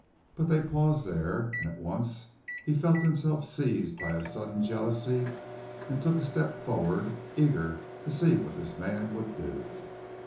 But they paused there and at once he felt himself seized by a sudden jealousy and took a step forward, eager to see what this man would do.